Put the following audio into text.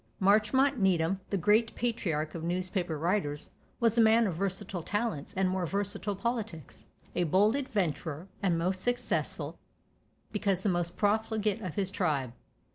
Marchmont Needham, the great patriarch of newspaper writers, was a man of versatile talents and more versatile politics; a bold adventurer, and most successful, because the most profligate of his tribe.